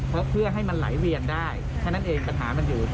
ท่านผู้บริหารก็เลยบอกว่าทั้งงั้นก็เอาตู้เล็กแต่๒ตู้ไปเลย